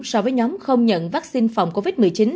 so với nhóm không nhận vaccine phòng covid một mươi chín